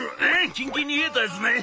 キンキンに冷えたやつね！」。